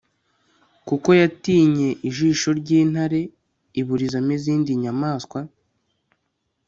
kuko yatinye ijisho ry intare iburizamo izindi nyamaswa